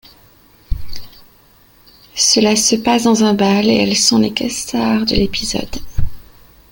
Cela se passe dans un bal et elles sont les Guest-star de l'épisode.